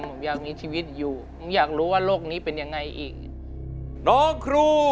ผมอยากมีชีวิตอยู่ผมอยากรู้ว่าโลกนี้เป็นยังไงอีก